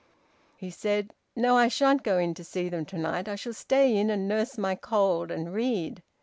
He said: "No, I shan't go in to see them to night, I shall stay in and nurse my cold, and read."